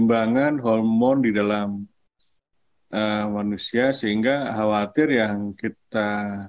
kembangan hormon di dalam manusia sehingga khawatir yang kita